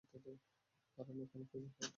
কারণ ওখানে প্রয়োজন পড়তে পারে।